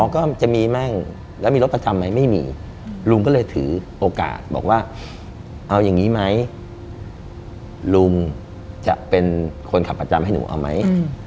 ก็จะมีมั่งแล้วมีรถประจำไหมไม่มีลุงก็เลยถือโอกาสบอกว่าเอาอย่างนี้ไหมลุงจะเป็นคนขับประจำให้หนูเอาไหม